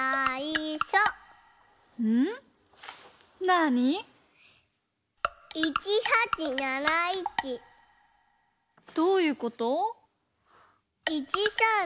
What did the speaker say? なに？どういうこと？